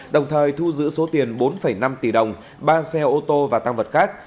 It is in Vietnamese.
đồng thời thu giữ số tiền bốn năm tỷ đồng ba xe ô tô và tăng vật khác